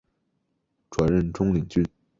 转任中领军。